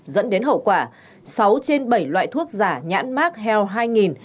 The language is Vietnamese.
dẫn đến hậu quả sáu trên bảy loại thuốc giả nhãn mark hill